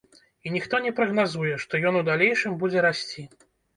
І ніхто не прагназуе, што ён у далейшым будзе расці.